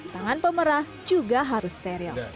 tangan pemerah juga harus steril